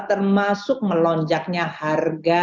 termasuk melonjaknya harga harga merata